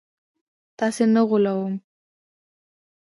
تاسي نه غولوم